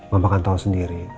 mama kan tau sendiri